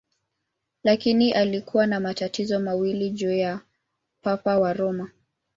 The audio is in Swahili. Lakini alikuwa na matatizo mawili juu ya Papa wa Roma.